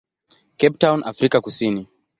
Cape Town, Afrika Kusini.